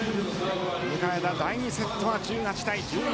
迎えた第２セットは１８対１１。